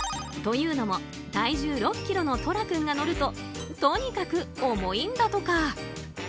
というのも体重６ｋｇのとら君が乗るととにかく重いんだとか。